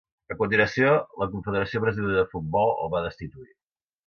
A continuació, la Confederació Brasilera de Futbol el va destituir.